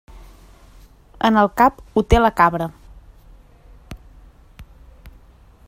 En el cap ho té la cabra.